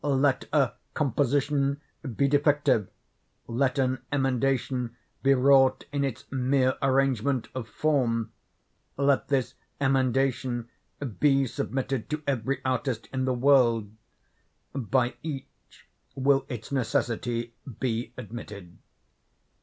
Let a "composition" be defective; let an emendation be wrought in its mere arrangement of form; let this emendation be submitted to every artist in the world; by each will its necessity be admitted.